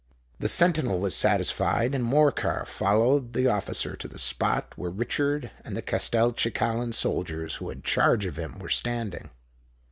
The sentinel was satisfied; and Morcar followed the officer to the spot where Richard and the Castelcicalan soldiers who had charge of him, were standing.